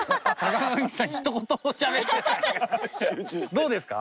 どうですか？